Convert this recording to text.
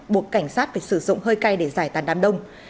buộc cảnh sát phải sử dụng hơi cay để giải tàn đám đông